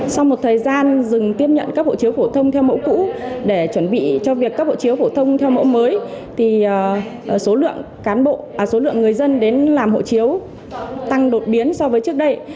sau một thời gian dừng tiếp nhận các hộ chiếu phổ thông theo mẫu cũ để chuẩn bị cho việc cấp hộ chiếu phổ thông theo mẫu mới số lượng người dân đến làm hộ chiếu tăng đột biến so với trước đây